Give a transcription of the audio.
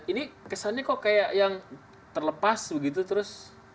ini kesannya kok kayak yang terlepas begitu terus